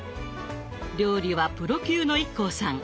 料理はプロ級のＩＫＫＯさん。